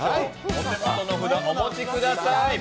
お手元の札をお持ちください。